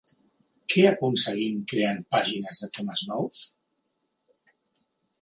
Què aconseguim creant pàgines de temes nous?